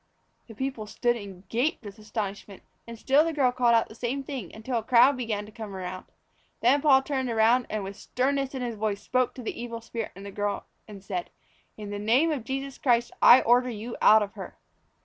The people stood and gaped with astonishment, and still the girl called out the same thing, until a crowd began to come round. Then Paul turned round and with sternness in his voice spoke to the evil spirit in the girl and said: "In the Name of Jesus Christ, I order you out of her."